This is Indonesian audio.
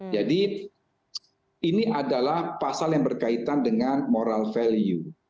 jadi ini adalah pasal yang berkaitan dengan moral value